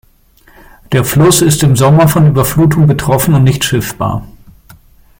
Der Fluss ist im Sommer von Überflutung betroffen und nicht schiffbar.